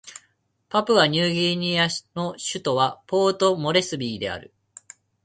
パプアニューギニアの首都はポートモレスビーである